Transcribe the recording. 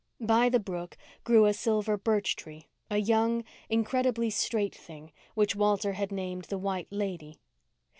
By the brook grew a silver birch tree, a young, incredibly straight thing which Walter had named the "White Lady."